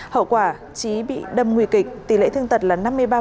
hậu quả trí bị đâm nguy kịch tỷ lệ thương tật là năm mươi ba